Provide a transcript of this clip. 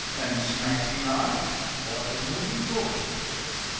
An' smacks 'im 'earty, like a naughty boy.